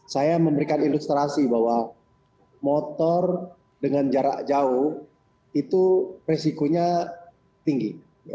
saya memberikan ilustrasi bahwa motor dengan jarak jauh itu resikonya tinggi